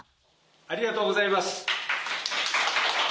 ありがとうございます。